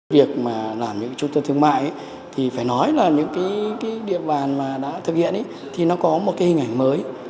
việc làm những trung tâm thương mại thì phải nói là những địa bàn đã thực hiện thì nó có một hình ảnh mới